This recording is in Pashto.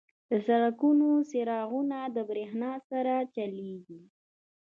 • د سړکونو څراغونه د برېښنا سره چلیږي.